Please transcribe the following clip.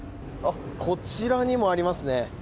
こちらにもありますね。